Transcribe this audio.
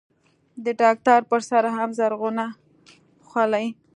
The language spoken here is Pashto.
د ډاکتر پر سر هم زرغونه خولۍ.